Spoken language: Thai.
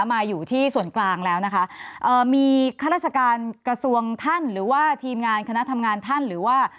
มาอยู่ที่ส่วนกลางแล้วนะคะเอ่อมีข้าราชการกระทรวงท่านหรือว่าทีมงานคณะทำงานท่านหรือว่า